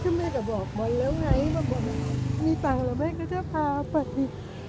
คือแม่ก็บอกบอลแล้วไงว่าบอลมีตังค์แล้วแม่ก็จะพาไป